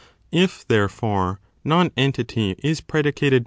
311 • If, therefore, nonentity is predicated multi 3.